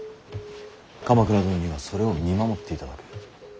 鎌倉殿にはそれを見守っていただく。